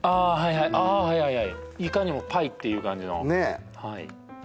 はいはいはいいかにもパイっていう感じのねえ